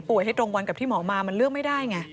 ให้ตรงวันกับที่หมอมามันเลือกไม่ได้ไง